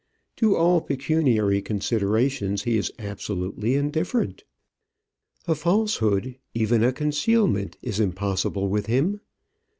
To all pecuniary considerations he is absolutely indifferent. A falsehood, even a concealment, is impossible with him.